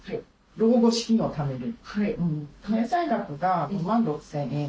老後資金をためる。